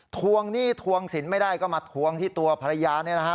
ทวงหนี้ทวงสินไม่ได้ก็มาทวงที่ตัวภรรยานี่แหละฮะ